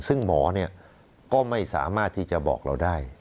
ซึ่งหมอก็ไม่สามารถที่จะบอกเราได้